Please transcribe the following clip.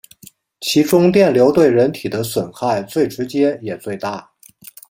其中电流对人体的损害最直接也最大。